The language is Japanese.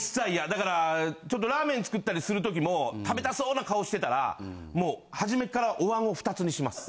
だからちょっとラーメン作ったりするときも食べたそうな顔してたらもう初めからお碗を２つにします。